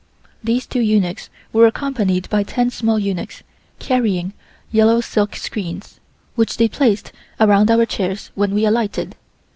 These two eunuchs were accompanied by ten small eunuchs carrying yellow silk screens, which they placed around our chairs when we alighted.